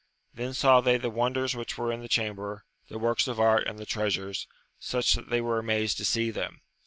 Then saw they the wonders which were in the chamber, the works of art and the treasures, such that they were amazed to see them.